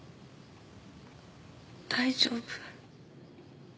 大丈夫。